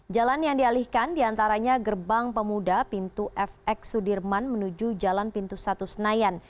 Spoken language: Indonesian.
jalan yang dialihkan diantaranya gerbang pemuda pintu fx sudirman menuju jalan pintu satu senayan